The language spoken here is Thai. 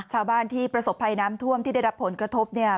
ชาวบ้านที่ประสบภัยน้ำท่วมที่ได้รับผลกระทบเนี่ย